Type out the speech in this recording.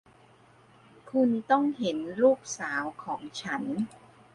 คุณต้องเห็นลูกสาวของฉัน